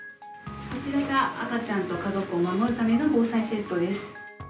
こちらが、赤ちゃんと家族を守るための防災セットです。